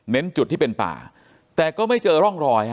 จุดที่เป็นป่าแต่ก็ไม่เจอร่องรอย